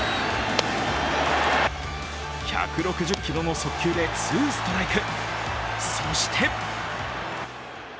１６０キロの速球でツーストライク。